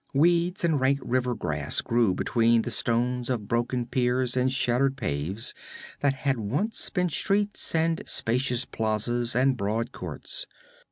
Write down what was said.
Weeds and rank river grass grew between the stones of broken piers and shattered paves that had once been streets and spacious plazas and broad courts.